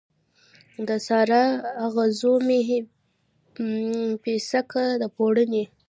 د سارا، اغزو مې پیڅکه د پوړنې